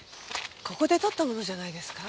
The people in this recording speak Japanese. ここで撮ったものじゃないですか？